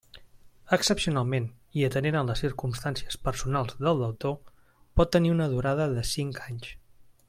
Excepcionalment, i atenent a les circumstàncies personals del deutor, pot tenir una durada de cinc anys.